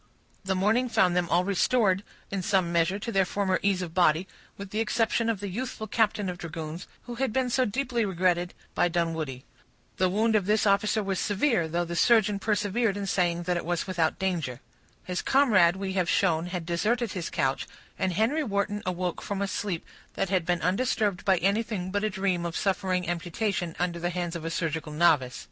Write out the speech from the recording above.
The morning found them all restored, in some measure, to their former ease of body, with the exception of the youthful captain of dragoons, who had been so deeply regretted by Dunwoodie. The wound of this officer was severe, though the surgeon persevered in saying that it was without danger. His comrade, we have shown, had deserted his couch; and Henry Wharton awoke from a sleep that had been undisturbed by anything but a dream of suffering amputation under the hands of a surgical novice.